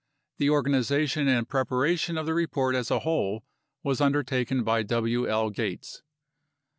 The organization and preparation of the report as a whole was undertaken by W. L. Gates.